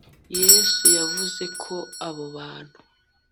yesu yavuze ko abo bantu